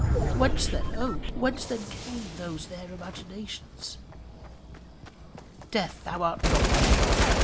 Whence, then, oh! whence came those their imaginations? Death, thou art not my father!